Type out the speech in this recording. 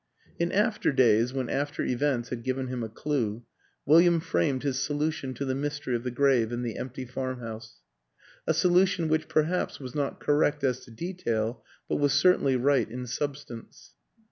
In after days, when after events had given him a clew, William framed his solution to the mystery of the grave and the empty farmhouse a solu tion which perhaps was not correct as to detail but was certainly right in substance.